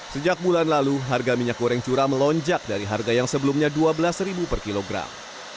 sejak bulan lalu harga minyak goreng curah melonjak dari harga yang sebelumnya rp dua belas per kilogram